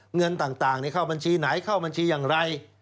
เงินต่างเข้าบัญชีไหนเข้าบัญชีอย่างไร